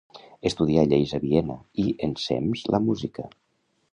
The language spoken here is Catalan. Estudià Lleis a Viena, i ensems la música.